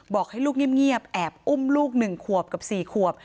บอกให้ลูกเงียบแอบอุ้มลูก๑ขวบกับ๔ขวบ